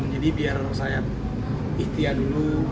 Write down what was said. jadi biar orang saya ikhtiyar dulu